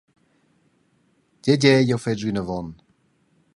Gie, gie, jeu fetsch vinavon.